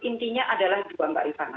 intinya adalah dua mbak rifana